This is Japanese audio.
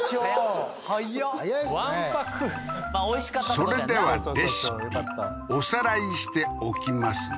それではレシピおさらいしておきますね